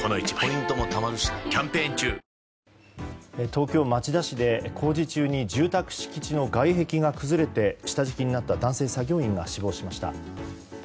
東京・町田市で工事中に住宅敷地の外壁が崩れて下敷きになった男性作業員が死亡しました。